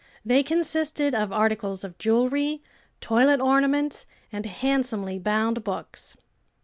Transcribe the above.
They consisted of articles of jewelry, toilet ornaments, and handsomely bound books.